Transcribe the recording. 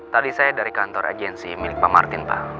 tadi saya dari kantor agensi milik pak martin pak